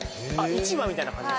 市場みたいな感じですか？